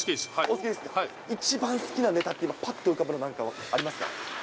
一番好きなネタって、ぱっと浮かぶのなんかありますか。